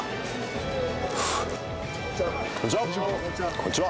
こんにちは。